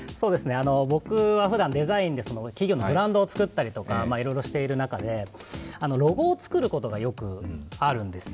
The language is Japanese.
僕はふだんデザインで企業のブランドを作ったりとかいろいろしている中で、ロゴを作ることがよくあるんですよ。